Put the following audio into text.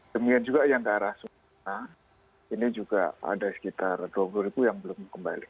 kemudian juga yang dari arah sumatera ini juga ada sekitar rp dua puluh yang belum kembali